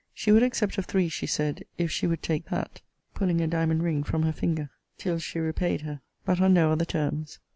She would accept of three, she said, if she would take that (pulling a diamond ring from her finger) till she repaid her; but on no other terms.